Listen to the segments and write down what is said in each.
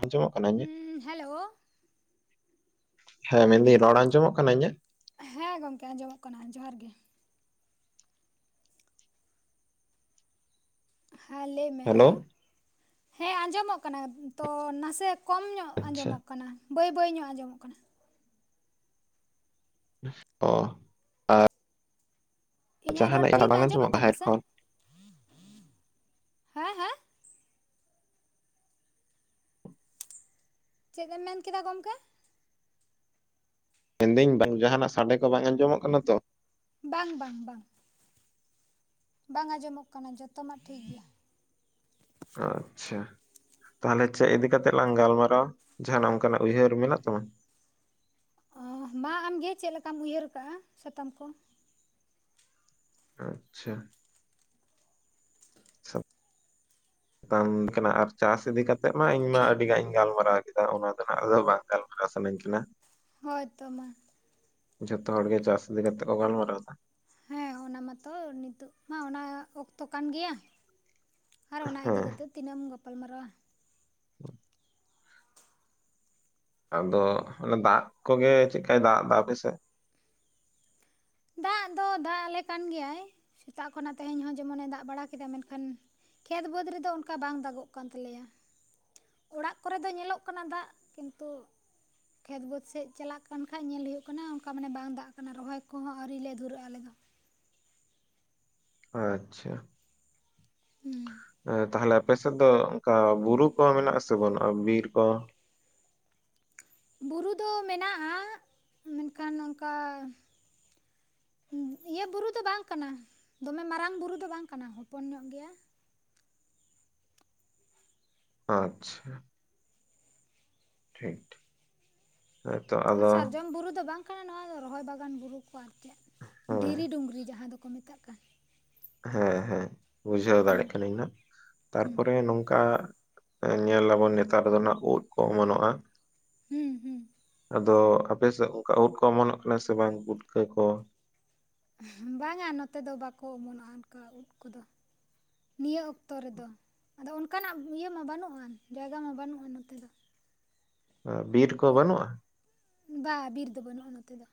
ᱟᱸᱡᱚᱢᱚᱜ ᱠᱟᱱᱟ ᱤᱧᱟᱹᱜ᱾ ᱦᱩᱸ ᱦᱮᱞᱳ ᱦᱮᱸ ᱢᱮᱱᱫᱟᱹᱧ ᱨᱚᱲ ᱟᱸᱡᱚᱢᱚᱜ ᱠᱟᱱᱟ ᱤᱧᱟᱹᱜ? ᱦᱮᱸ ᱜᱚᱝᱠᱮ ᱟᱸᱡᱚᱢᱚᱜ ᱠᱟᱱᱟ ᱡᱚᱦᱟᱨ ᱜᱮ᱾ ᱦᱮᱸ ᱞᱟᱹᱭ ᱢᱮ ᱦᱮᱞᱳ ᱦᱮᱸ ᱟᱸᱡᱚᱢᱚᱜ ᱠᱟᱱᱟ ᱛᱚ ᱱᱟᱥᱮ ᱠᱚᱢ ᱧᱚᱜ ᱟᱪᱪᱷᱟ ᱟᱸᱡᱚᱢᱚᱜ ᱠᱟᱱᱟ ᱵᱟᱹᱭ ᱵᱟᱹᱭ ᱧᱚᱜ ᱟᱸᱡᱚᱢᱚᱜ ᱠᱟᱱᱟ᱾ ᱚ᱾ ᱤᱧᱟᱹᱜ ᱨᱚᱲ ᱡᱟᱦᱟᱱᱟᱜ ᱴᱷᱤᱠ ᱵᱟᱝ ᱟᱸᱡᱚᱢᱚᱜ ᱠᱟᱱᱟ ᱥᱮ ᱦᱮᱰᱯᱷᱳᱱ ᱦᱮᱸ ᱦᱮᱸ? ᱪᱮᱫ ᱮᱢ ᱢᱮᱱ ᱠᱮᱫᱟ ᱜᱚᱝᱠᱮ? ᱢᱮᱱᱫᱟᱹᱧ ᱵᱟᱝ ᱡᱟᱦᱟᱱᱟᱜ ᱥᱟᱰᱮ ᱠᱚ ᱵᱟᱝ ᱟᱸᱡᱚᱢᱚᱜ ᱠᱟᱱᱟ ᱛᱚ? ᱵᱟᱝ ᱵᱟᱝ ᱵᱟᱝ᱾ ᱵᱟᱝ ᱟᱸᱡᱚᱢᱚᱜ ᱠᱟᱱᱟ ᱡᱚᱛᱚ ᱢᱟ ᱴᱷᱤᱠ ᱜᱮᱭᱟ᱾ ᱟᱪᱪᱷᱟ᱾ ᱛᱟᱦᱚᱞᱮ ᱪᱮᱫ ᱤᱫᱤ ᱠᱟᱛᱮᱜ ᱞᱟᱝ ᱜᱟᱞᱢᱟᱨᱟᱣᱟ ᱡᱟᱦᱟᱱᱟᱜ ᱚᱱᱠᱟᱱᱟᱜ ᱩᱭᱦᱟᱹᱨ ᱢᱮᱱᱟᱜ ᱛᱟᱢᱟ? ᱚ ᱢᱟ ᱟᱢᱜᱮ ᱪᱮᱫ ᱞᱮᱠᱟᱢ ᱩᱭᱦᱟᱹᱨ ᱟᱠᱟᱜᱼᱟ ᱥᱟᱛᱟᱢ ᱠᱚ᱾ ᱟᱪ -ᱪᱷᱟ᱾ ᱥᱟ ᱛᱟᱢ ᱞᱮᱠᱟᱱᱟᱜ ᱟᱨ ᱪᱟᱥ ᱤᱫᱤ ᱠᱟᱛᱮ ᱢᱟ ᱤᱧᱢᱟ ᱟᱹᱰᱤ ᱜᱟᱱ ᱤᱧ ᱜᱟᱞᱢᱟᱨᱟᱣ ᱠᱮ ᱟᱫᱚ ᱚᱱᱟ ᱫᱚ ᱦᱟᱜ ᱟᱫᱚ ᱵᱟᱝ ᱜᱟᱞᱢᱟᱨᱟᱣ ᱥᱟᱱᱟᱧ ᱠᱟᱱᱟ᱾ ᱦᱳᱭ ᱛᱚ ᱢᱟ᱾ ᱡᱷᱚᱛᱚ ᱦᱚᱲ ᱜᱮ ᱪᱟᱥ ᱤᱫᱤ ᱠᱟᱛᱮᱜ ᱠᱚ ᱜᱟᱞᱢᱟᱨᱟᱣ ᱮᱫᱟ᱾ ᱦᱮᱸ ᱚᱱᱟ ᱢᱟᱛᱚ ᱱᱤᱛᱚᱜ ᱢᱟ ᱚᱱᱟ ᱚᱠᱛᱚ ᱠᱟᱱ ᱜᱮᱭᱟ᱾ ᱟᱨ ᱚᱱᱟ ᱤᱫᱤ ᱦᱮᱸ᱾ ᱠᱟᱛᱮᱫ ᱛᱤᱱᱟᱹᱜ ᱮᱢ ᱜᱟᱯᱟᱞ ᱢᱟᱨᱟᱣᱟ᱾ [inaudible] ᱟᱫᱚ ᱚᱱᱮ ᱫᱟᱜ ᱠᱚᱜᱮ ᱪᱮᱫᱠᱟᱭ ᱫᱟᱜ ᱮᱫᱟ ᱟᱯᱮᱥᱮᱜ? ᱫᱟᱜ ᱫᱚ ᱫᱟᱜ ᱟᱞᱮ ᱠᱟᱱ ᱜᱮᱭᱟᱭ ᱥᱮᱛᱟᱜ ᱠᱷᱚᱱᱟᱜ ᱛᱮᱦᱮᱧ ᱦᱚᱸ ᱡᱮᱢᱚᱱᱮ ᱫᱟᱜ ᱵᱟᱲᱟ ᱠᱮᱫᱟ ᱢᱮᱱᱠᱷᱟᱱ ᱠᱷᱮᱛ ᱵᱟᱹᱫᱽ ᱨᱮᱫᱚ ᱚᱱᱠᱟ ᱵᱟᱝ ᱫᱟᱜᱚᱜ ᱠᱟᱱ ᱛᱟᱞᱮᱭᱟ᱾ ᱚᱲᱟᱜ ᱠᱚᱨᱮ ᱫᱚ ᱧᱮᱞᱚᱜ ᱠᱟᱱᱟ ᱫᱟᱜ ᱠᱤᱱᱛᱩ ᱠᱷᱮᱛ ᱵᱟᱹᱫᱽ ᱥᱮᱡ ᱪᱟᱞᱟᱜ ᱠᱟᱱ ᱠᱷᱟᱡ ᱧᱮᱞ ᱦᱩᱭᱩᱜ ᱠᱟᱱᱟ ᱚᱱᱠᱟ ᱢᱟᱱᱮ ᱵᱟᱝ ᱫᱟᱜ ᱠᱟᱱᱟ ᱨᱚᱦᱚᱭ ᱠᱚᱦᱚ ᱟᱹᱣᱨᱤ ᱞᱮ ᱫᱷᱩᱨᱟᱹᱜᱼᱟ ᱟᱞᱮ ᱫᱚ᱾ ᱟᱪᱪᱷᱟ ᱦᱩᱸ ᱛᱟᱦᱞᱮ᱾ ᱟᱯᱮ ᱥᱮᱫ ᱫᱚ ᱚᱱᱠᱟ ᱵᱩᱨᱩ ᱠᱚ ᱢᱮᱱᱟᱜᱼᱟ ᱥᱮ ᱵᱟᱹᱱᱩᱜᱼᱟ ᱵᱤᱨ ᱠᱚ? ᱵᱩᱨᱩ ᱫᱚ ᱢᱮᱱᱟᱜᱼᱟ ᱢᱮᱱᱠᱷᱟᱱ ᱚᱱᱠᱟ ᱤᱭᱟᱹ ᱵᱩᱨᱩ ᱫᱚ ᱵᱟᱝ ᱠᱟᱱᱟ ᱫᱚᱢᱮ ᱢᱟᱨᱟᱝ ᱵᱩᱨᱩ ᱫᱚ ᱵᱟᱝ ᱠᱟᱱᱟ ᱦᱚᱯᱚᱱ ᱧᱚᱜ ᱜᱮᱭᱟ᱾ ᱟᱪᱪᱷᱟ᱾ ᱴᱷᱤᱠ ᱴᱷᱤᱠ ᱦᱮᱸᱛᱚ ᱟᱨ ᱟᱫᱚ ᱥᱟᱨᱡᱚᱢ ᱵᱩᱨᱩ ᱫᱚ ᱵᱟᱝ ᱠᱟᱱᱟ ᱱᱚᱣᱟ ᱫᱚ ᱨᱚᱦᱚᱭ ᱵᱟᱜᱟᱱ ᱵᱩᱨᱩ ᱠᱚ ᱟᱨ ᱪᱮᱫ ᱦᱮᱸ ᱫᱷᱤᱨᱤ ᱰᱩᱝᱨᱤ ᱡᱟᱦᱟᱸ ᱫᱚᱠᱚ ᱢᱮᱛᱟᱜ᱾ ᱠᱟᱱ ᱦᱮᱸ ᱦᱮᱸ ᱵᱩᱡᱷᱟᱹᱣ ᱦᱩᱸ ᱫᱟᱲᱮᱜ ᱠᱟᱹᱱᱟᱹᱧ ᱱᱟᱜ ᱦᱩᱸ ᱛᱟᱨᱯᱚᱨᱮ ᱱᱚᱝᱠᱟ ᱧᱮᱞ ᱟᱵᱚᱱ ᱱᱮᱛᱟᱨ ᱫᱚ ᱱᱟᱜ ᱩᱸᱫ ᱠᱚ ᱚᱢᱚᱱᱚᱜᱼᱟ᱾ ᱦᱩᱸ ᱦᱩᱸ, ᱟᱫᱚ ᱟᱯᱮ ᱥᱮᱫ ᱚᱱᱠᱟ ᱩᱸᱫ ᱠᱚ ᱚᱢᱚᱱᱚᱜ ᱠᱟᱱᱟ ᱥᱮ ᱵᱟᱝ ᱯᱩᱴᱠᱟᱹ ᱠᱚ? ᱵᱟᱝᱟ, ᱱᱚᱛᱮ ᱫᱚ ᱵᱟᱠᱚ ᱚᱢᱚᱱᱚᱜᱼᱟ ᱚᱱᱠᱟ ᱩᱸᱫ ᱠᱚᱫᱚ᱾ ᱱᱤᱭᱟᱹ ᱚᱠᱛᱚ ᱨᱮᱫᱚ, ᱟᱫᱚ ᱚᱱᱠᱟᱱᱟᱜ ᱤᱭᱟᱹ ᱢᱟ ᱵᱟᱹᱱᱩᱜᱼᱟ, ᱡᱟᱭᱜᱟ ᱢᱟ ᱵᱟᱹᱱᱩᱜᱼᱟ ᱱᱚᱛᱮ ᱫᱚ᱾ ᱟ ᱵᱤᱨ ᱠᱚ ᱩᱫ ᱵᱟᱹᱱᱩᱜᱼᱟ? ᱵᱟ ᱵᱤᱨ ᱫᱚ ᱵᱟᱹᱱᱩᱜᱼᱟ ᱱᱚᱛᱮ ᱫᱚ᱾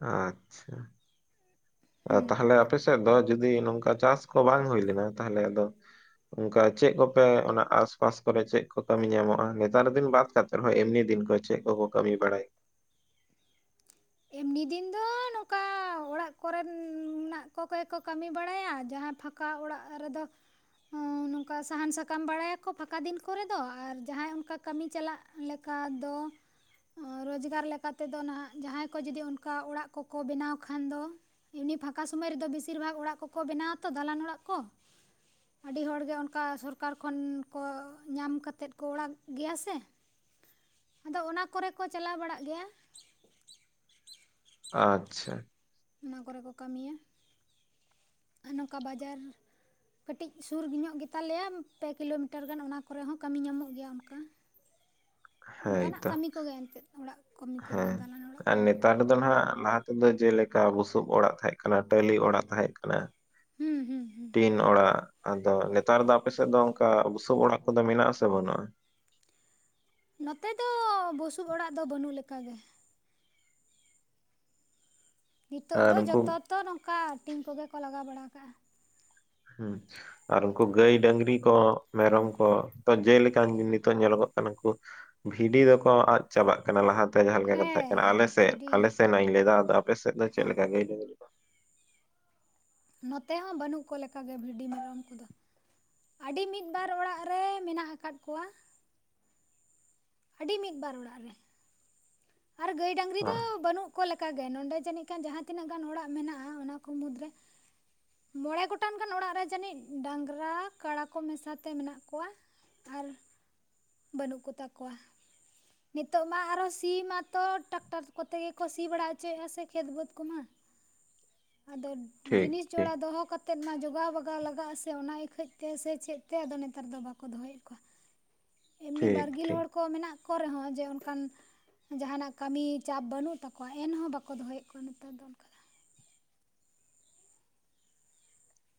ᱟᱪᱪᱷᱟ, ᱟ ᱦᱩᱸ ᱛᱟᱦᱚᱞᱮ ᱟᱯ ᱟᱯᱮ ᱥᱮᱫ ᱫᱚ ᱡᱩᱫᱤ ᱱᱚᱝᱠᱟ ᱪᱟᱥ ᱠᱚ ᱵᱟᱝ ᱦᱩᱭ ᱞᱮᱱᱟ, ᱛᱟᱦᱚᱞᱮ ᱟᱫᱚ ᱚᱱᱠᱟ ᱪᱮᱫ ᱠᱚᱯᱮ ᱚᱱᱟ ᱟᱥᱯᱟᱥ ᱠᱚᱨᱮ ᱪᱮᱫ ᱠᱚ ᱠᱟᱹᱢᱤ ᱧᱟᱢᱚᱜᱼᱟ? ᱱᱮᱛᱟᱨ ᱫᱤᱱ ᱵᱟᱫ ᱠᱟᱛᱮ, ᱦᱳᱭ ᱮᱢᱱᱤ ᱫᱤᱱ ᱠᱚ ᱪᱮᱫ ᱠᱚᱠᱚ ᱠᱟᱹᱢᱤ ᱵᱟᱲᱟᱭᱟ? ᱮᱢᱱᱤ ᱫᱤᱱ ᱫᱚ ᱱᱚᱠᱟ ᱚᱲᱟᱜ ᱠᱚᱨᱮᱱ ᱱᱟᱜ ᱠᱚ ᱜᱮᱠᱚ ᱠᱟᱹᱢᱤ ᱵᱟᱲᱟᱭᱟ ᱡᱟᱦᱟᱸ ᱯᱷᱟᱸᱠ ᱠᱟ ᱚᱲᱟᱜ ᱨᱮᱫᱚ ᱦᱩ ᱱᱩᱝᱠᱟ ᱥᱟᱦᱟᱱ ᱥᱟᱠᱟᱢ ᱵᱟᱲᱟᱭᱟᱠᱚ ᱯᱷᱟᱸᱠᱟ ᱫᱤᱱ ᱠᱚᱨᱮ ᱫᱚ, ᱟᱨ ᱡᱟᱦᱟᱸᱭ ᱚᱱᱠᱟ ᱠᱟᱹᱢᱤ ᱪᱟᱞᱟᱜ ᱞᱮᱠᱟ ᱫᱚ, ᱨᱳᱡᱽᱜᱟᱨ ᱞᱮᱠᱟ ᱛᱮᱫᱚ ᱱᱟᱦᱟᱜ ᱡᱟᱦᱟᱸᱭ ᱠᱚ ᱡᱩᱫᱤ ᱚᱱᱠᱟ, ᱚᱲᱟᱜ ᱠᱚᱠᱚ ᱵᱮᱱᱟᱣ ᱠᱷᱟᱱ ᱫᱚ ᱮᱢᱱᱤ ᱯᱷᱟᱸᱠᱟ ᱥᱚᱢᱚᱭ ᱨᱮᱫᱚ, ᱵᱮᱥᱤᱨ ᱵᱷᱟᱜᱽ ᱚᱲᱟᱜ ᱠᱚᱠᱚ ᱵᱮᱱᱟᱣ ᱟᱛᱚ ᱫᱟᱞᱟᱱ ᱚᱲᱟᱜ ᱠᱚ ᱟᱹᱰᱤ ᱦᱚᱲ ᱜᱮ ᱚᱱᱠᱟ ᱥᱚᱨᱠᱟᱨ ᱠᱷᱚᱱ ᱠᱚ, ᱧᱟᱢ ᱠᱟᱛᱮᱫ ᱠᱚ ᱚᱲᱟᱜ ᱜᱮᱭᱟ ᱥᱮ᱾ [unintelligible] ᱟᱫᱚ ᱚᱱᱟ ᱠᱚᱨᱮ ᱠᱚ ᱪᱟᱞᱟᱣ ᱵᱟᱲᱟᱜ ᱜᱮᱭᱟ᱾ ᱟᱪᱪᱷᱟ᱾ ᱚᱱᱟ ᱠᱚᱨᱮ ᱠᱚ ᱠᱟᱹᱢᱤᱭᱟ, ᱟᱨ ᱱᱚᱝᱠᱟ ᱵᱟᱡᱟᱨ ᱠᱟᱹᱴᱤᱡ ᱥᱩᱨ ᱧᱚᱜ ᱜᱮᱛᱟᱞᱮᱭᱟ, ᱯᱮ ᱠᱤᱞᱳᱢᱤᱴᱟᱨ ᱜᱟᱱ ᱚᱱᱟ ᱠᱚᱨᱮ ᱦᱚᱸ ᱠᱟᱹᱢᱤ ᱧᱟᱢᱚᱜ ᱜᱮᱭᱟ ᱚᱱᱠᱟ᱾ [unintelligible] ᱚᱱᱠᱟᱱᱟᱜ ᱦᱮᱸᱛᱚ ᱠᱟᱹᱢᱤ ᱠᱚᱜᱮ ᱮᱱᱛᱮᱫ, ᱚᱲᱟᱜ ᱠᱟᱹᱢᱤ ᱠᱚᱜᱮ ᱫᱟᱞᱟᱱ ᱚᱲᱟᱜ ᱠᱟᱹᱢᱤ ᱠᱚ᱾ ᱫᱚᱱ ᱦᱟᱸᱜ ᱞᱟᱦᱟ ᱛᱮᱫᱚ ᱡᱮᱞᱮᱠᱟ ᱵᱩᱥᱩᱵ ᱚᱲᱟᱜ ᱛᱟᱦᱮᱸᱜ ᱠᱟᱱᱟ ᱴᱟᱹᱞᱤ ᱚᱲᱟᱜ ᱛᱟᱦᱮᱸᱜ ᱠᱟᱱᱟ᱾ ᱦᱩᱸ ᱦᱩᱸ, ᱦᱩᱸ ᱤᱱ ᱚᱲᱟᱜ ᱟᱫᱚ ᱱᱮᱛᱟᱨ ᱫᱚ ᱟᱯᱮ ᱥᱮᱫ ᱫᱚ, ᱚᱝᱠᱟ ᱵᱩᱥᱩᱵ ᱚᱲᱟᱜ ᱠᱚᱫᱚ ᱢᱮᱱᱟᱜ ᱟᱥᱮ ᱵᱟᱹᱱᱩᱜᱼᱟ? ᱱᱚᱛᱮ ᱫᱚ ᱵᱩᱥᱩᱵ ᱚᱲᱟᱜ ᱫᱚ, ᱵᱟᱹᱱᱩᱜ ᱞᱮᱠᱟᱜᱮ᱾ ᱱᱤᱛᱚᱜ ᱟᱨ ᱫᱚ ᱩᱱᱠᱩ ᱡᱚᱛᱚ ᱛᱚ ᱱᱚᱝᱠᱟ, ᱴᱤᱧ ᱠᱚᱜᱮ ᱠᱚ ᱞᱟᱜᱟᱣ ᱵᱟᱲᱟᱣ ᱠᱟᱜᱼᱟ᱾ ᱦᱩᱸ ᱪᱷᱟ ᱟᱨ ᱩᱱᱠᱩ ᱜᱟᱹᱭ ᱰᱟᱹᱝᱨᱤ ᱠᱚ ᱢᱮᱨᱚᱢ ᱠᱚ, ᱛᱚ ᱡᱮᱞᱮᱠᱟᱱ ᱜᱮ ᱱᱤᱛᱚᱜ ᱧᱮᱞᱚᱜᱚᱜ ᱠᱟᱱᱟ ᱠᱩ ᱵᱷᱤᱰᱤ ᱫᱚᱠᱚ ᱟᱫ ᱪᱟᱵᱟᱜ ᱠᱟᱱᱟ ᱞᱟᱦᱟᱛᱮ ᱡᱟᱦᱟᱸ ᱞᱮᱠᱟ ᱠᱚ ᱛᱟᱮᱡ ᱠᱟᱱᱟ, ᱦᱮᱸ ᱟᱞᱮ ᱥᱮᱫ ᱵᱷᱤᱰᱤ ᱟᱞᱮ ᱥᱮᱱᱟᱜ ᱤᱧ ᱞᱟᱹᱭ ᱫᱟ, ᱟᱫᱚ ᱟᱯᱮ ᱥᱮᱫ ᱫᱚ ᱪᱮᱫ ᱦᱮᱸ ᱞᱮᱠᱟ ᱜᱟᱹᱭ ᱰᱟᱹᱝᱨᱤ? ᱠᱚ ᱱᱚᱛᱮ ᱦᱚᱸ ᱵᱟᱹᱱᱩᱜ ᱠᱚ ᱞᱮᱠᱟ ᱜᱮ, ᱵᱷᱤᱰᱤ ᱢᱮᱨᱚᱢ ᱠᱚᱫᱚ᱾ ᱟᱹᱰᱤ ᱢᱤᱫ ᱵᱟᱨ ᱚᱲᱟᱜ ᱨᱮ, ᱢᱮᱱᱟᱜ ᱟᱠᱟᱫ ᱠᱚᱣᱟ᱾ ᱟᱹᱰᱤ ᱢᱤᱫ ᱵᱟᱨ ᱚᱲᱟᱜ ᱨᱮ᱾ ᱟᱨ ᱜᱟᱹᱭ ᱰᱟᱹᱝᱨᱤ ᱦᱚᱸ ᱫᱚ ᱵᱟᱹᱱᱩᱜ ᱠᱚ ᱞᱮᱠᱟᱜᱮ, ᱱᱚᱸᱰᱮ ᱡᱟᱹᱱᱤᱡ ᱠᱷᱟᱱ ᱡᱟᱦᱟᱸ ᱛᱤᱱᱟᱹᱜ ᱜᱟᱱ ᱚᱲᱟᱜ ᱢᱮᱱᱟᱜᱼᱟ ᱚᱱᱟ ᱠᱚ ᱢᱩᱫᱽᱨᱮ ᱢᱚᱬᱮ ᱜᱚᱴᱟᱱ ᱜᱟᱱ ᱚᱲᱟᱜ ᱨᱮ ᱡᱟᱹᱱᱤᱡ ᱰᱟᱝᱨᱟ, ᱠᱟᱲᱟ ᱠᱚ ᱢᱮᱥᱟᱛᱮ ᱢᱮᱱᱟᱜ ᱠᱚᱣᱟ ᱟᱨ ᱵᱟᱹᱱᱩᱜ ᱠᱚᱛᱟ ᱠᱚᱣᱟ, ᱱᱤᱛᱳᱜ ᱢᱟ ᱟᱨᱚ ᱥᱤᱢ ᱟ ᱛᱚ ᱴᱟᱠᱴᱟᱨ ᱠᱚᱛᱮ ᱜᱮᱠᱚ ᱥᱤ ᱵᱟᱲᱟ ᱪᱚᱭᱮᱫ ᱟᱥᱮ ᱠᱷᱮᱛ ᱵᱟᱹᱫᱽ ᱠᱚᱢᱟ, ᱟᱫᱚ ᱴᱷᱤᱠ ᱡᱤᱱᱤᱥ ᱴᱷᱤᱠ ᱪᱚᱲᱟ ᱫᱚᱦᱚ ᱠᱟᱛᱮᱫ ᱢᱟ ᱡᱚᱜᱟᱣ ᱵᱟᱜᱟᱣ ᱞᱟᱜᱟᱜ ᱟᱥᱮ, ᱚᱱᱟ ᱤᱠᱷᱟᱹᱡ ᱛᱮ ᱥᱮ ᱪᱮᱫ ᱛᱮ ᱟᱫᱚ ᱱᱮᱛᱟᱨ ᱫᱚ ᱵᱟᱠᱚ ᱫᱚᱦᱚᱭᱮᱫ ᱠᱚᱣᱟ᱾ [unintelligible] ᱮᱢᱱᱤ ᱴᱷᱤᱠ ᱵᱟᱨᱜᱤᱞ ᱴᱷᱤᱠ ᱦᱚᱲ ᱠᱚ, ᱢᱮᱱᱟᱜ ᱠᱚ ᱨᱮᱦᱚᱸ ᱡᱮ ᱚᱱᱠᱟᱱ ᱡᱟᱦᱟᱸᱱᱟᱜ ᱠᱟᱹᱢᱤ ᱪᱟᱯ ᱵᱟᱹᱱᱩᱜ ᱛᱟᱠᱚᱣᱟ ᱮᱱᱦᱚᱸ ᱵᱟᱠᱚ ᱫᱚᱦᱚᱭᱮᱫ ᱠᱚᱣᱟ ᱱᱮᱛᱟᱨ ᱫᱚ ᱚᱱᱠᱟ᱾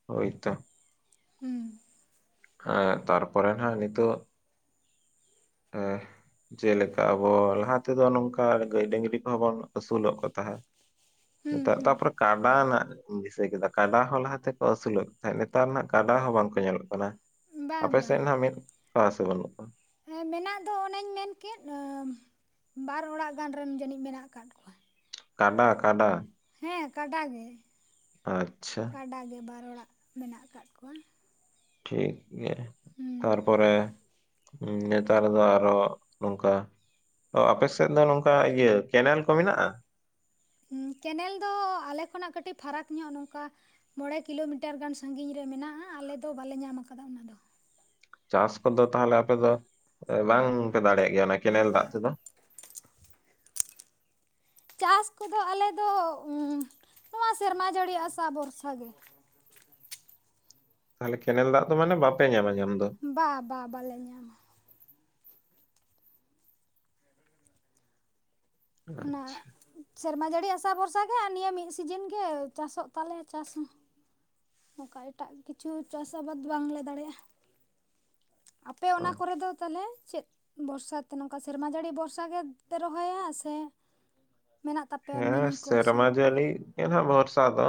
ᱦᱳᱭᱛᱚ᱾ ᱦᱩᱸ᱾ ᱦᱮᱸ ᱛᱟᱨᱯᱚᱨᱮᱱ ᱦᱟᱸᱜ ᱱᱤᱛᱚᱜ ᱦᱮᱸ᱾ ᱡᱮᱞᱮᱠᱟ ᱟᱵᱚ ᱞᱟᱦᱟ ᱛᱮᱫᱚ ᱱᱚᱝᱠᱟ ᱜᱟᱹᱭ ᱰᱟᱹᱝᱨᱤ ᱠᱚᱦᱚᱸ ᱵᱚᱱ ᱟᱹᱥᱩᱞᱚᱜ ᱠᱚ ᱛᱟᱦᱮᱸᱫ᱾ ᱦᱩᱸ ᱱᱮᱛᱟᱨ ᱦᱩᱸ ᱛᱟᱯᱚᱨᱮ ᱠᱟᱰᱟ ᱱᱟᱜ ᱫᱤᱥᱟᱹ ᱠᱮᱫᱟ ᱠᱟᱰᱟ ᱦᱚᱸ ᱞᱟᱦᱟ ᱛᱮᱠᱚ ᱟᱹᱥᱩᱞᱚᱜ ᱠᱟᱱ ᱛᱟᱦᱮᱸᱫ ᱱᱮᱛᱟᱨ ᱢᱟ ᱠᱟᱰᱟ ᱦᱚᱸ ᱵᱟᱝᱠᱚ ᱧᱮᱞᱚᱜ ᱠᱟᱱᱟ᱾ ᱵᱟᱝ ᱟᱯᱮ ᱥᱮᱱ ᱦᱟᱸ ᱢᱤᱫ ᱠᱚᱣᱟ ᱥᱮ ᱵᱟᱹᱱᱩᱜ ᱠᱚᱣᱟ? ᱦᱮᱸ ᱢᱮᱱᱟᱜ ᱫᱚ ᱚᱱᱮᱧ ᱢᱮᱱ ᱠᱮᱫ ᱟᱸ ᱵᱟᱨ ᱚᱲᱟᱜ ᱜᱟᱱ ᱨᱮᱱ ᱡᱟᱹᱱᱤᱡ ᱢᱮᱱᱟᱜ ᱟᱠᱟᱫ ᱠᱚᱣᱟ᱾ ᱠᱟᱰᱟ ᱠᱟᱰᱟ? ᱦᱮᱸ ᱠᱟᱰᱟ ᱜᱮ᱾ ᱟᱪᱪᱷᱟ᱾ ᱠᱟᱰᱟ ᱜᱮ ᱵᱟᱨ ᱚᱲᱟᱜ ᱢᱮᱱᱟᱜ ᱟᱠᱟᱫ ᱠᱚᱣᱟ ᱾ ᱴᱷᱤᱠ ᱜᱮ ᱦᱩᱸ ᱛᱟᱨᱯᱚᱨᱮ ᱱᱮᱛᱟᱨ ᱫᱚ ᱟᱨᱚ ᱱᱚᱝᱠᱟᱼᱼ ᱚ ᱟᱯᱮ ᱥᱮᱫ ᱫᱚ ᱱᱚᱝᱠᱟ ᱤᱭᱟᱹ ᱠᱮᱱᱮᱞ ᱠᱚ ᱢᱮᱱᱟᱜᱼᱟ? ᱮᱸ ᱠᱮᱱᱮᱞ ᱫᱚ ᱟᱞᱮ ᱠᱷᱚᱱᱟᱜ ᱠᱟᱹᱴᱤᱡ ᱯᱷᱟᱨᱟᱠ ᱧᱚᱜ ᱱᱚᱝᱠᱟᱼᱼ ᱢᱚᱬᱮ ᱠᱤᱞᱳᱢᱤᱴᱟᱨ ᱜᱟᱱ ᱥᱟᱜᱤᱧ ᱨᱮ ᱢᱮᱱᱟᱜᱼᱟ ᱟᱞᱮ ᱫᱚ ᱵᱟᱞᱮ ᱧᱟᱢ ᱟᱠᱟᱫᱟ ᱚᱱᱟ ᱫᱚᱼᱼ ᱪᱟᱥ ᱠᱚᱫᱚ ᱛᱟᱦᱚᱞᱮ ᱟᱯᱮ ᱫᱚ ᱵᱟᱝ ᱯᱮ ᱫᱟᱲᱮᱭᱟᱜ ᱜᱮᱭᱟ ᱚᱱᱟ ᱠᱮᱱᱮᱞ ᱫᱟᱜ ᱛᱮᱫᱚ? ᱪᱟᱥ ᱠᱚ ᱫᱚ ᱟᱞᱮ ᱫᱚ ᱥᱮᱨᱢᱟ ᱡᱟᱹᱲᱤ ᱟᱥᱟ ᱵᱚᱨᱥᱟ ᱜᱮᱼᱼ ᱛᱟᱦᱚᱞᱮ ᱠᱮᱱᱮᱞ ᱫᱟᱜ ᱫᱚ ᱢᱟᱱᱮ ᱵᱟᱯᱮ ᱧᱟᱢᱟ ᱧᱟᱢ ᱫᱚ? ᱵᱟ ᱵᱟ ᱵᱟᱞᱮ ᱧᱟᱢᱟ ᱾ ᱚᱱᱟᱼᱼ ᱟᱪᱪᱷᱟ ᱥᱮᱨᱢᱟ ᱡᱟᱹᱲᱤ ᱟᱥᱟ ᱵᱷᱚᱨᱥᱟ ᱜᱮ ᱟᱨ ᱱᱤᱭᱟᱹ ᱢᱤᱫ ᱥᱤᱡᱤᱱ ᱜᱮ ᱪᱟᱥᱚᱜ ᱛᱟᱞᱮᱭᱟ ᱪᱟᱥ ᱦᱚᱸ ᱾ ᱚᱱᱠᱟ ᱮᱴᱟᱜ ᱠᱤᱪᱷᱩ ᱪᱟᱥ ᱟᱵᱟᱫ ᱵᱟᱝᱞᱮ ᱫᱟᱲᱮᱭᱟᱜᱼᱟ ᱾ ᱟᱯᱮ ᱚ, ᱚᱱᱟ ᱠᱚᱨᱮ ᱫᱚ ᱛᱟᱦᱚᱞᱮ ᱪᱮᱫ? ᱪᱮᱫ ᱵᱚᱨᱥᱟ ᱛᱮ ᱱᱚᱝᱠᱟ ᱥᱮᱨᱢᱟ ᱡᱟᱹᱲᱤ ᱵᱚᱨᱥᱟ ᱜᱮ ᱯᱮ ᱨᱚᱦᱚᱭᱟ ᱥᱮ? ᱢᱮᱱᱟᱜ ᱛᱟᱯᱮᱭᱟ ᱢᱤᱱᱤ ᱠᱚ ᱥᱮᱞᱚ ᱠᱚ? ᱤᱱᱟᱹ ᱵᱷᱚᱨᱥᱟ ᱫᱚ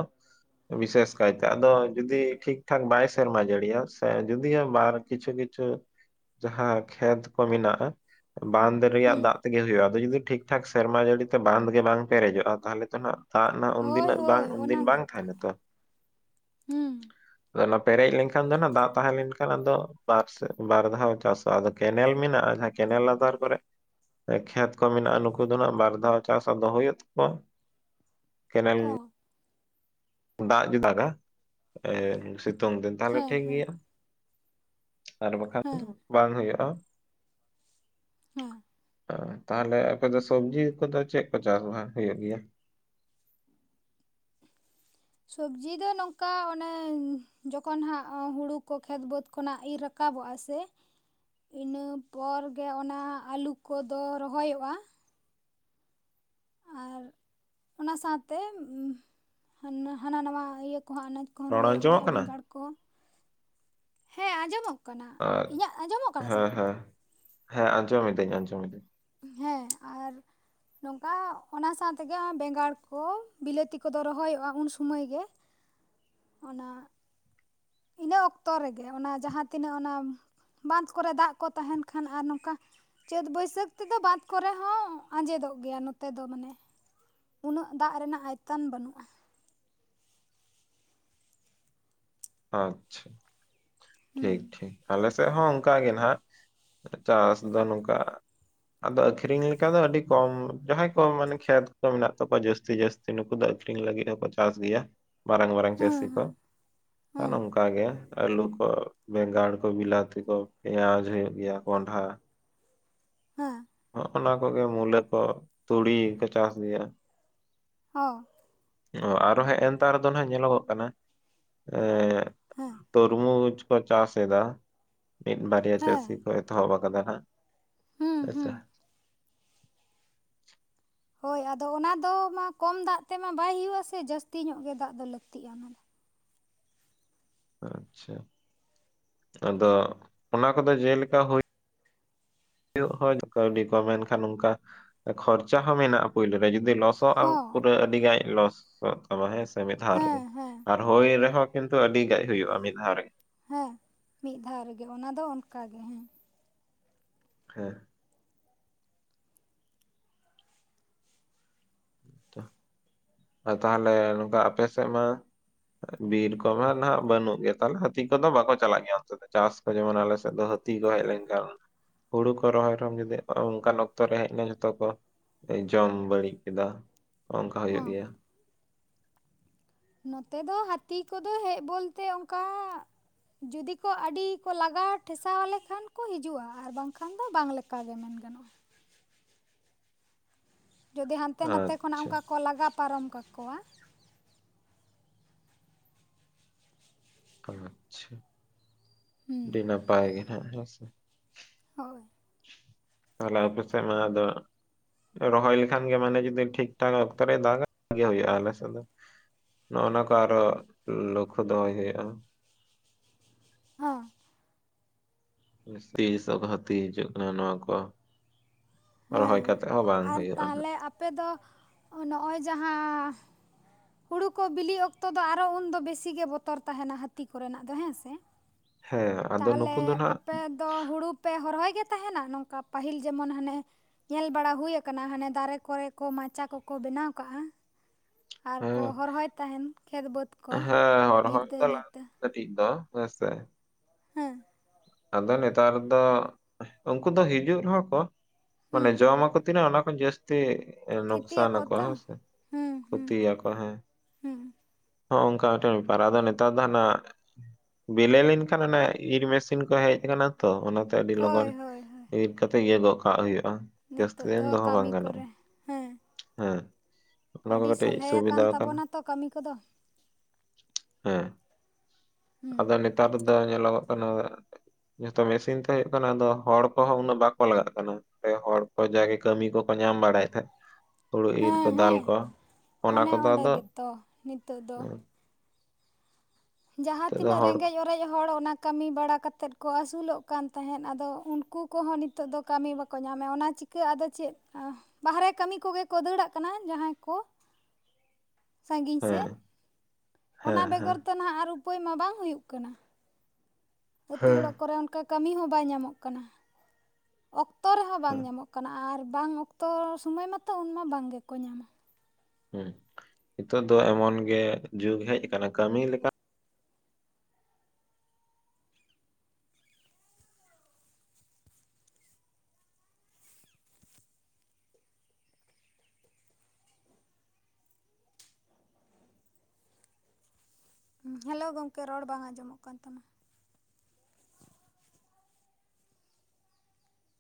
ᱵᱤᱥᱮᱥ ᱠᱟᱭᱛᱮ ᱟᱫᱚ ᱡᱩᱫᱤ ᱴᱷᱤᱠ ᱴᱷᱟᱠ ᱵᱟᱭ ᱥᱮᱨᱢᱟ ᱡᱟᱹᱲᱤᱭᱟ ᱥᱮ ᱡᱩᱫᱤᱭ ᱵᱟᱨ ᱠᱤᱪᱷᱩᱼᱼ ᱠᱤᱪᱷᱩ ᱡᱟᱦᱟᱸ ᱠᱷᱮᱛ ᱠᱚ ᱢᱮᱱᱟᱜᱼᱟ ᱾ ᱵᱟᱸᱫᱷ ᱨᱮᱭᱟᱜ ᱦᱩᱸ ᱫᱟᱜ ᱛᱮᱜᱮ ᱦᱩᱭᱩᱜᱼᱟ ᱟᱫᱚ ᱡᱩᱫᱤ ᱴᱷᱤᱠᱼᱴᱷᱟᱠ ᱥᱮᱨᱢᱟ ᱡᱟᱹᱲᱤ ᱛᱮ ᱵᱟᱸᱫᱷ ᱜᱮ ᱵᱟᱝᱼᱼ ᱯᱮᱨᱮᱡᱚᱜᱼᱟ ᱛᱟᱦᱚᱞᱮ ᱛᱚ ᱱᱟᱜ ᱼᱼ ᱫᱟᱜ ᱱᱟᱜ ᱦᱳᱭ ᱩᱱᱫᱤᱱᱟᱜ ᱵᱟᱝ ᱦᱳᱭ ᱚᱱᱟ ᱩᱱᱫᱤᱱ ᱵᱟᱝ ᱜᱮᱛᱚ ᱛᱟᱦᱮᱱᱟ ᱛᱚ ᱦᱩᱸ ᱾ ᱟᱫᱚ ᱚᱱᱟ ᱯᱮᱨᱮᱡ ᱞᱮᱱᱠᱷᱟᱱ ᱫᱚ ᱱᱟᱜ ᱫᱟᱜ ᱛᱟᱦᱮᱸ ᱞᱮᱱᱠᱷᱟᱱ ᱟᱫᱚ ᱵᱟᱨ ᱫᱷᱟᱣ ᱪᱟᱥᱚᱜᱼᱟ ᱾ ᱠᱮᱱᱮᱞ ᱢᱮᱱᱟᱜᱼᱟ ᱡᱟᱦᱟᱸ ᱠᱮᱱᱮᱞ ᱞᱟᱛᱟᱨ ᱠᱚᱨᱮᱼᱼ ᱠᱷᱮᱛ ᱠᱚ ᱢᱮᱱᱟᱜᱼᱟ ᱱᱩᱠᱩ ᱫᱚ ᱱᱟᱜ ᱵᱟᱨ ᱫᱷᱟᱣ ᱪᱟᱥ ᱟᱫᱚ ᱦᱩᱭᱩᱜ ᱛᱟᱠᱚᱣᱟ, ᱠᱮᱱᱮᱞᱼᱼ ᱚ ᱫᱟᱜ ᱡᱩᱫᱤ ᱫᱟᱜᱟ ᱮᱸᱥᱤᱛᱩᱝ ᱫᱤᱱ ᱛᱟᱦᱞᱮ ᱦᱮᱸ ᱴᱷᱤᱠ ᱦᱮᱸ ᱜᱮᱭᱟ ᱾ ᱟᱨ ᱵᱟᱠᱷᱟᱱ ᱦᱮᱸ ᱫᱚ ᱵᱟᱝ ᱦᱩᱭᱩᱜᱼᱟ ᱾ ᱦᱮᱸ ᱛᱟᱦᱚᱞᱮ ᱚᱯᱮ ᱫᱚ ᱥᱚᱵᱽᱡᱤ ᱠᱚᱫᱚ ᱪᱮᱫ ᱠᱚ ᱪᱟᱥ ᱵᱟᱥ ᱦᱩᱭᱩᱜ ᱜᱮᱭᱟ? ᱥᱚᱵᱽᱡᱤ ᱫᱚ ᱱᱚᱝᱠᱟ ᱚᱱᱮ ᱡᱚᱠᱷᱚᱱ ᱦᱟᱸᱜ ᱦᱩᱲᱩ ᱠᱚ ᱠᱷᱮᱛ ᱵᱟᱹᱫᱽ ᱠᱷᱚᱱᱟᱜ ᱤᱨ ᱨᱟᱠᱟᱵᱼᱼ ᱠᱟᱵᱚᱜᱼᱟ ᱥᱮ ᱤᱱᱟᱹ ᱯᱚᱨ ᱜᱮ ᱚᱱᱟ ᱟᱹᱞᱩ ᱠᱚᱫᱚ ᱨᱚᱦᱚᱭᱚᱜᱼᱟᱼᱼ ᱟᱨ ᱚᱱᱟ ᱥᱟᱶᱛᱮ ᱦᱚᱸ ᱦᱟᱱᱟ ᱱᱟᱣᱟ ᱤᱭᱟᱹ ᱠᱚᱦᱟᱜᱼᱼ ᱠᱚ ᱨᱚᱲ ᱨᱚᱦᱚᱭᱚᱜ ᱟᱸᱡᱚᱢᱚᱜ ᱜᱮᱭᱟ ᱠᱟᱱᱟ ᱵᱮᱸᱜᱟᱲ ᱠᱚ ᱦᱮᱸ ᱟᱸᱡᱚᱢᱚᱜᱼᱼ ᱠᱟᱱᱟ ᱤᱧᱟᱹᱜ ᱟᱸᱡᱚᱢᱚᱜ ᱠᱟᱱᱟ ᱥᱮ ᱦᱮᱸ ᱵᱟᱝ? ᱦᱮᱸ ᱦᱮᱸ ᱟᱸᱡᱚᱢᱤᱫᱟᱹᱧ ᱟᱸᱡᱚᱢᱤᱫᱟᱹᱧ ᱾ ᱦᱮᱸ ᱟᱨ ᱱᱚᱝᱠᱟ ᱚᱱᱟ ᱥᱟᱶᱛᱮᱜᱮ ᱵᱮᱸᱜᱟᱲ ᱠᱚ ᱵᱤᱞᱟᱹᱛᱤ ᱠᱚᱫᱚ ᱨᱚᱦᱚᱭᱚᱜᱼᱟ ᱩᱱ ᱥᱩᱢᱟᱹᱭ ᱜᱮ ᱾ [inaudible] ᱚᱱᱟ ᱤᱱᱟᱹ ᱚᱠᱛᱚ ᱨᱮᱜᱮ ᱚᱱᱟ ᱡᱟᱦᱟᱸ ᱛᱤᱱᱟᱹᱜ ᱚᱱᱟ ᱵᱟᱸᱫᱷ ᱠᱚᱨᱮ ᱫᱟᱜ ᱠᱚ ᱛᱟᱦᱮᱱ ᱠᱷᱟᱱ ᱟᱨ ᱱᱚᱝᱠᱟ ᱪᱟᱹᱛ ᱵᱟᱹᱭᱥᱟᱹᱠᱷ ᱛᱮᱫᱚ ᱵᱟᱸᱫᱷ ᱠᱚᱨᱮ ᱦᱚᱸ ᱟᱸᱡᱮᱫᱚᱜ ᱜᱮᱭᱟ ᱱᱚᱛᱮ ᱫᱚ ᱢᱟᱱᱮ ᱩᱱᱟᱹᱜ ᱫᱟᱜ ᱨᱮᱱᱟᱜ ᱟᱭᱛᱟᱱ ᱵᱟᱹᱱᱩᱜᱼᱟ ᱾ ᱟᱪᱪᱷᱟ, ᱦᱮᱸ ᱴᱷᱤᱠ ᱴᱷᱤᱠ ᱟᱞᱮ ᱥᱮᱫ ᱦᱚᱸ ᱚᱱᱠᱟᱜ ᱜᱮ ᱱᱟᱜ᱾ ᱪᱟᱥ ᱫᱚ ᱱᱚᱝᱠᱟ ᱟᱫᱚ ᱟᱹᱠᱷᱨᱤᱧ ᱞᱮᱠᱟ ᱫᱚ ᱟᱹᱰᱤ ᱠᱚᱢ ᱡᱟᱦᱟᱸᱭ ᱠᱚ ᱢᱟᱱᱮ ᱠᱷᱮᱛ ᱠᱚ ᱢᱮᱱᱟᱜ ᱛᱟᱠᱚᱣᱟ ᱡᱟᱹᱥᱛᱤ ᱡᱟᱹᱥ ᱛᱤ ᱱᱩᱠᱩ ᱫᱚ ᱟᱹᱠᱷᱨᱤᱧ ᱞᱟᱹᱜᱤᱫ ᱦᱚᱸᱠᱚ ᱪᱟᱥ ᱜᱮᱭᱟ ᱢᱟᱨᱟᱝ ᱢᱟᱨᱟᱝ ᱦᱮᱸ ᱪᱟᱹᱥᱤ ᱠᱚ᱾ ᱦᱮᱸ ᱦᱮᱸ ᱱᱚᱝᱠᱟ ᱜᱮ ᱟᱹᱞᱩ ᱠᱚ ᱵᱮᱸᱜᱟᱲ ᱠᱚ ᱵᱤᱞᱟᱛᱤ ᱠᱚ ᱯᱮᱸᱭᱟᱡᱽ ᱦᱩᱭᱩᱜ ᱜᱮᱭᱟ ᱠᱚᱸᱰᱷᱟ ᱦᱮᱸ, ᱦᱚᱜ-ᱱᱟ ᱠᱚᱜᱮ ᱢᱩᱞᱟᱹ ᱠᱚ ᱛᱩᱲᱤ ᱠᱚ ᱪᱟᱥ ᱜᱮᱭᱟ ᱾ ᱦᱚᱸ ᱾ ᱚ ᱟᱨᱚ ᱦᱮᱱᱛᱟᱨ ᱫᱚ ᱱᱟᱦᱟᱜ ᱧᱮᱞᱚᱜᱚᱜ ᱠᱟᱱᱟ ᱮᱸ ᱦᱮᱸ ᱛᱚᱨᱢᱩᱡᱽ ᱠᱚ ᱪᱟᱥ ᱮᱫᱟ ᱢᱤᱫ ᱵᱟᱨᱭᱟ ᱦᱮᱸ ᱪᱟᱹᱥᱤ ᱠᱚ ᱮᱛᱚᱦᱚᱵ ᱟᱠᱟᱫᱟ ᱦᱟᱜ ᱦᱮᱸ ᱾ ᱟᱪᱪᱷᱟ ᱦᱮᱸ ᱾ ᱦᱳᱭ ᱟᱫᱚ ᱚᱱᱟ ᱫᱚ ᱢᱟ ᱠᱚᱢ ᱫᱟᱜ ᱛᱮᱢᱟ ᱵᱟᱭ ᱦᱩᱭᱩᱜ-ᱟ ᱥᱮ ᱡᱟᱹᱥᱛᱤ ᱧᱚᱜ ᱜᱮ ᱫᱟᱜ ᱫᱚ ᱞᱟᱹᱠᱛᱤᱜ-ᱟ ᱚᱱᱟ ᱫᱚ ᱾ ᱟᱪᱪᱷᱟ᱾ ᱟᱫᱚ ᱚᱱᱟ ᱠᱚᱫᱚ ᱡᱮᱞᱮᱠᱟ ᱦᱩᱭ ᱩᱜ ᱦᱚ ᱠᱟᱹᱣᱰᱤ ᱠᱚ ᱮᱱᱠᱷᱟᱱ ᱚᱱᱠᱟ ᱠᱷᱚᱨᱪᱟ ᱦᱚᱸ ᱢᱮᱱᱟᱜ-ᱟ ᱯᱩᱭᱞᱩ ᱨᱮ᱾ ᱡᱩᱫᱤ ᱞᱚᱥ ᱚᱜ ᱟᱢ ᱦᱚᱸ ᱯᱩᱨᱟᱹ ᱟᱹᱰᱤ ᱜᱟᱡ ᱞᱚᱥ ᱚᱜ ᱛᱟᱢᱟ ᱦᱮᱸ ᱥᱮ ᱢᱤᱫ ᱫᱷᱟᱣ ᱨᱮᱜᱮ ᱦᱮᱸ ᱦᱮᱸ ᱟᱨ ᱦᱩᱭ ᱨᱮᱦᱚᱸ ᱠᱤᱱᱛᱩ ᱟᱹᱰᱤ ᱜᱟᱡ ᱦᱩᱭᱩᱜ-ᱟ ᱢᱤᱫ ᱫᱷᱟᱣ ᱨᱮᱜᱮ ᱾ ᱦᱮᱸ ᱢᱤᱫ ᱫᱷᱟᱣ ᱨᱮᱜᱮ, ᱚᱱᱟ ᱫᱚ ᱚᱱᱠᱟ ᱜᱮ ᱦᱮᱸ ᱾ ᱦᱮᱸ ᱾ ᱟᱨ ᱛᱟᱦᱞᱮ ᱱᱚᱝᱠᱟ ᱟᱯᱮ ᱥᱮᱫ ᱢᱟ ᱵᱤᱨ ᱠᱚᱢᱟ ᱱᱟᱦᱟᱜ ᱵᱟᱹᱱᱩᱜ ᱜᱮᱭᱟ ᱾ ᱛᱟᱦᱞᱮ ᱦᱟᱹᱛᱤ ᱠᱚᱫᱚ ᱵᱟᱠᱚ ᱪᱟᱞᱟᱜ ᱜᱮᱭᱟ ᱚᱱᱛᱮ ᱫᱚ, ᱪᱟᱥ ᱡᱮᱢᱚᱱ ᱟᱞᱮ ᱥᱮᱫ ᱫᱚ ᱦᱟᱹᱛᱤ ᱠᱚ ᱦᱮᱡ ᱞᱮᱱᱠᱷᱟᱱ ᱦᱩᱲᱩ ᱠᱚ ᱨᱚᱦᱚᱭ ᱨᱮᱦᱚᱸᱢ ᱡᱩᱫᱤ ᱚᱱᱠᱟᱱ ᱚᱠᱛᱚ ᱨᱮ ᱦᱮᱡ ᱮᱱᱟ ᱡᱷᱚᱛᱚ ᱠᱚ ᱡᱚᱢ ᱵᱟᱹᱲᱤᱡ ᱠᱮᱫᱟ ᱚᱱᱠᱟ ᱚ ᱦᱩᱭᱩᱜ ᱜᱮᱭᱟ ᱾ ᱱᱚᱛᱮ ᱫᱚ ᱦᱟᱹᱛᱤ ᱠᱚᱫᱚ ᱦᱮᱡ ᱵᱚᱞᱛᱮ ᱚᱱᱠᱟ ᱡᱩᱫᱤ ᱠᱚ ᱟᱹᱰᱤ ᱠᱚ ᱞᱟᱜᱟᱣ ᱴᱷᱮᱥᱟᱣ ᱟᱞᱮ ᱞᱮᱠᱷᱟᱱ ᱠᱚ ᱦᱤᱡᱩᱜᱼᱟ ᱟᱨ ᱵᱟᱝᱠᱷᱟᱱ ᱫᱚ ᱵᱟᱝ ᱞᱮ ᱠᱟ ᱜᱮ ᱢᱮᱱ ᱜᱟᱱᱚᱜ-ᱟ ᱾ ᱡᱩᱫᱤ ᱦᱟᱱᱛᱮ ᱱᱟᱛᱮ ᱠᱷᱚᱱᱟᱜ ᱟᱪᱪᱷᱟ ᱚᱱᱠᱟ ᱠᱚ ᱞᱟᱜᱟ ᱯᱟᱨᱚᱢ ᱠᱟᱠᱚᱣᱟ᱾ ᱟᱪᱪᱷᱟ ᱾ ᱟᱹᱰᱤ ᱦᱩᱸ ᱱᱟᱯᱟᱭ ᱜᱮ ᱱᱟᱦᱟᱜ ᱦᱮᱸ ᱥᱮ ᱾ ᱦᱳᱭ ᱾ ᱛᱟᱦᱚᱞᱮ ᱟᱯᱮ ᱥᱮᱫ ᱢᱟ ᱟᱫᱚ ᱨᱚᱦᱚᱭ ᱞᱮᱠᱷᱟᱱ ᱜᱮ ᱢᱟᱱᱮ ᱡᱩᱫᱤ ᱴᱷᱤᱠ ᱴᱷᱟᱠ ᱚᱠᱛᱚ ᱨᱮ ᱫᱟᱜᱟ [inaudible] ᱦᱩᱭᱩᱜ-ᱟ ᱟᱞᱮ ᱥᱮᱫ ᱫᱚ ᱾ ᱱᱚᱜᱼᱚ ᱱᱚᱣᱟ ᱠᱚ ᱟᱨᱚ ᱞᱚᱠᱠᱷᱚ ᱫᱚᱦᱚᱭ ᱦᱩᱭᱩᱜᱼᱟ ᱾ ᱦᱮᱸ ᱾ [inaudible] ᱦᱟᱹᱛᱤ ᱦᱤᱡᱩᱜ ᱠᱟᱱᱟ ᱱᱚᱣᱟ ᱠᱚ ᱦᱮᱸ ᱨᱚᱦᱚᱭ ᱦᱮᱸ ᱠᱟᱛᱮᱫ ᱦᱚᱸ ᱵᱟᱝ ᱟᱨ ᱦᱩᱭᱩᱜᱼᱟ ᱱᱟᱦᱟᱜ ᱛᱟᱦᱚᱞᱮ ᱾ ᱟᱯᱮ ᱫᱚ ᱱᱚᱜ-ᱚᱭ ᱡᱟᱦᱟᱸ ᱦᱩᱲᱩ ᱠᱚ ᱵᱤᱞᱤᱜ ᱚᱠᱛᱚ ᱫᱚ ᱟᱨᱚ ᱩᱱᱫᱚ ᱵᱮᱥᱤ ᱜᱮ ᱵᱚᱛᱚᱨ ᱛᱟᱦᱮᱱᱟ ᱦᱟᱹᱛᱤ ᱠᱚᱨᱮᱱᱟᱜ ᱫᱚ ᱦᱮᱸ ᱥᱮ ᱾ ᱦᱮᱸ ᱟᱫᱚ ᱛᱟᱦᱚᱞᱮ ᱱᱩᱠᱩ ᱫᱚ ᱱᱟᱜ ᱟᱯᱮ ᱫᱚ ᱦᱩᱲᱩ ᱯᱮ ᱦᱚᱨᱚᱭ ᱜᱮ ᱛᱟᱦᱮᱱᱟ? ᱱᱚᱝᱠᱟ ᱯᱟᱹᱦᱤᱞ ᱡᱮᱢᱚᱱ ᱦᱟᱱᱮ ᱧᱮᱞ ᱵᱟᱲᱟ ᱦᱩᱭ ᱟᱠᱟᱱᱟ ᱦᱟᱱᱮ ᱫᱟᱨᱮ ᱠᱚᱨᱮ ᱠᱚ ᱢᱟᱪᱟ ᱠᱚᱠᱚ ᱵᱮᱱᱟᱣ ᱠᱟᱜᱼᱟ ᱾ ᱟᱨ ᱠᱚ ᱦᱮᱸ ᱦᱚᱨᱦᱚᱭ ᱛᱟᱦᱮᱱ ᱠᱷᱮᱛ ᱵᱟᱹᱫᱽ ᱠᱚ ᱦᱮᱸ ᱨᱚᱦᱚᱭ ᱧᱤᱫᱟᱹ ᱫᱚ ᱧᱩᱛᱟᱹ ᱞᱟᱹᱜᱤᱫ ᱠᱟᱹᱴᱤᱡ ᱫᱚ ᱦᱮᱸ ᱥᱮ ᱾ ᱦᱮᱸ ᱾ ᱟᱫᱚ ᱱᱮᱛᱟᱨ ᱫᱚ ᱩᱱᱠᱩ ᱫᱚ ᱦᱤᱡᱩᱜ ᱨᱮᱦᱚᱸ ᱠᱚ ᱢᱟᱱᱮ ᱦᱩᱸ ᱡᱚᱢ ᱟᱠᱚ ᱛᱤᱱᱟᱹᱜ ᱚᱱᱟ ᱠᱷᱚᱱ ᱡᱟᱥ ᱛᱤ ᱱᱚᱠᱥᱟᱱ ᱠᱷᱤᱛᱤᱭᱟᱠᱚ ᱟᱠᱚ ᱛᱚ ᱦᱮᱸᱥᱮ ᱦᱩᱸ ᱦᱩᱸ ᱠᱷᱩᱛᱤ ᱟᱠᱚ, ᱦᱮᱸ ᱦᱩᱸ ᱾ ᱦᱚᱸᱜᱚ ᱚᱱᱠᱟ ᱢᱤᱫᱴᱟᱝ ᱵᱮᱯᱟᱨ ᱾ ᱟᱫᱚ ᱱᱮᱛᱟᱨ ᱫᱚ ᱦᱟᱱᱟ ᱵᱤᱞᱮ ᱞᱮᱱᱠᱷᱟᱱ ᱚᱱᱟ ᱤᱨ ᱢᱮᱥ ᱤᱱ ᱠᱚ ᱦᱮᱡ ᱟᱠᱟᱱᱟ ᱛᱚ ᱚᱱᱟ ᱛᱮ ᱟᱹᱰᱤ ᱞᱚᱜᱚᱱ ᱦᱳᱭ ᱦᱳᱭ ᱦᱳᱭ ᱤᱨ ᱠᱟᱛᱮ ᱤᱭᱟᱹ ᱜᱚᱫ ᱠᱟᱜ ᱦᱩᱭᱩᱜᱼᱟ ᱾ ᱡᱟᱹᱥᱛᱤ ᱱᱤᱛᱚᱜ ᱫᱤᱱ ᱫᱚ ᱫᱚᱦᱚ ᱵᱟᱝ ᱠᱟᱹᱢᱤ ᱜᱟᱱᱚᱜ-ᱟ, ᱠᱚᱨᱮ ᱦᱮᱸ ᱦᱮᱸ ᱾ ᱚᱱᱟ ᱠᱚ ᱟᱹᱰᱤ ᱠᱟᱹᱴᱤᱡ ᱥᱚᱞᱦᱮ ᱥᱩᱵᱤᱫᱟ ᱟᱠᱟᱱ ᱟᱠᱟᱱᱟ ᱛᱟᱵᱚᱱᱟ ᱾ ᱛᱚ ᱠᱟᱹᱢᱤ ᱠᱚᱫᱚ ᱦᱮᱸ, ᱟᱫᱚ ᱦᱮᱸ ᱱᱮᱛᱟᱨ ᱫᱚ ᱧᱮᱞᱚᱜᱚᱜ ᱠᱟᱱᱟ ᱟᱫᱚ ᱡᱷᱚᱛᱚ ᱢᱮᱥᱤᱱ ᱛᱮ ᱦᱳᱭᱳᱜ ᱠᱟᱱᱟ ᱾ ᱟᱫᱚ ᱦᱚᱲ ᱠᱚᱦᱚ ᱩᱱᱟᱹᱜ ᱵᱟᱠᱚ ᱞᱟᱜᱟᱜ ᱠᱟᱱᱟ ᱾ ᱦᱚᱲ ᱠᱚ ᱡᱟᱜᱮ ᱠᱟᱹᱢᱤ ᱠᱚᱠᱚ ᱧᱟᱢ ᱵᱟᱲᱟᱭᱮᱫ ᱛᱟᱦᱮᱫ ᱾ ᱦᱩᱲᱩ ᱤᱨ ᱦᱮᱸ ᱠᱚ ᱫᱟᱞ ᱦᱮᱸ ᱠᱚ, ᱚᱱᱟ ᱚᱱᱮ ᱠᱚᱫᱚ ᱚᱸᱰᱮ ᱟᱫᱚ, ᱜᱮᱛᱚ ᱱᱤᱛᱚᱜ ᱦᱩᱸ ᱾ ᱡᱟᱸᱦᱟ ᱫᱚ ᱛᱤᱱᱟᱹᱜ ᱦᱚᱲ ᱨᱮᱜᱮᱡᱽ ᱚᱨ ᱚᱨᱮᱡ ᱦᱚᱲ ᱚᱱᱟ ᱠᱟᱹᱢᱤ ᱵᱟᱲᱟ ᱠᱚᱛᱮᱫ ᱠᱚ ᱟᱹᱥᱩᱞᱚᱜ ᱠᱟᱱ ᱛᱟᱦᱮᱸᱫ ᱟᱫᱚ ᱩᱱᱠᱩ ᱠᱚᱦᱚᱸ ᱱᱤᱛᱚᱜ ᱫᱚ ᱠᱟᱹᱢᱤ ᱵᱟ -ᱠᱚ ᱧᱟᱢᱮᱜᱼᱟ, ᱚᱱᱟ ᱪᱤᱠᱟᱹ ᱟᱫᱚ ᱪᱮᱫ [inaudible] ᱵᱟᱦᱟᱨᱮ ᱠᱟᱹᱢᱤ ᱠᱚᱜᱮ ᱠᱚ ᱫᱟᱹᱲᱟᱜ ᱠᱟᱱᱟ ᱡᱟᱸᱦᱟᱸᱭ ᱠᱚ᱾ [inaudible] ᱥᱟᱺᱜᱤᱧ ᱦᱮᱸ ᱥᱮᱫ ᱦᱮᱸ ᱚᱱᱟ ᱦᱮᱸ ᱵᱮᱜᱚᱨ ᱛᱚ ᱱᱦᱟᱜ ᱟᱨ ᱩᱯᱟᱹᱭ ᱢᱟ ᱵᱟᱝ ᱦᱩᱭᱩᱜ ᱠᱟᱱᱟ᱾ ᱟᱹᱛᱩ ᱦᱮᱸ ᱚᱲᱟᱜ ᱠᱚᱨᱮ ᱚᱱᱠᱟ ᱠᱟᱹᱢᱤ ᱦᱚᱸ ᱵᱟᱭ ᱧᱟᱢᱚᱜ ᱠᱟᱱᱟ᱾ ᱚᱠᱛᱚ ᱨᱮᱦᱚᱸ ᱵᱟᱝ ᱦᱮᱸ ᱧᱟᱢᱚᱜ ᱠᱟᱱᱟ ᱟᱨ ᱵᱟᱝ ᱚᱠᱛᱚ ᱥᱳᱚᱢᱚᱭ ᱢᱟᱛᱚ ᱩᱱᱢᱟ ᱵᱟᱝ ᱜᱮᱠᱚ ᱧᱟᱢᱟ᱾ ᱦᱩᱸ ᱱᱤᱛᱚᱜ ᱫᱚ ᱮᱢᱚᱱ ᱜᱮ ᱡᱩᱜᱽ ᱦᱮᱡ ᱟᱠᱟᱱᱟ ᱠᱟᱹᱢᱤ ᱞᱮᱠᱟ ᱩᱸ ᱦᱮᱞᱳ ᱜᱚᱝᱠᱮ ᱨᱚᱲ ᱵᱟᱝ ᱟᱸᱡᱚᱢᱚᱜ ᱠᱟᱱ ᱛᱟᱢᱟ᱾